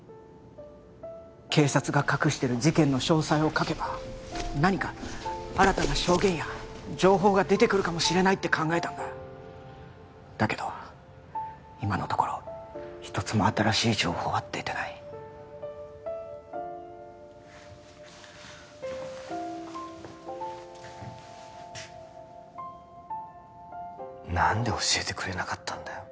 警察が隠してる事件の詳細を書けば何か新たな証言や情報が出てくるかもしれないって考えたんだだけど今のところ一つも新しい情報は出てない何で教えてくれなかったんだよ